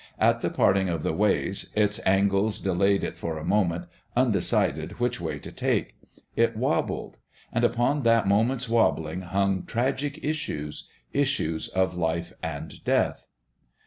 At the parting of the ways its angles delayed it for a moment, undecided which way to take. It wobbled. And upon that moment's wobbling hung tragic issues issues of life and death.